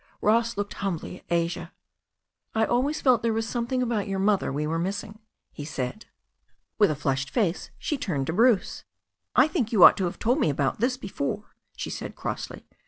Ross looked humbly at Asia. "I always felt there was something about your mother we were missing," he said. With a flushed face she turned to Bruce. "I think you ought to have told me about this before," she said crossly.